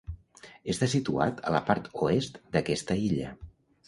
Està situat a la part oest d'aquesta illa.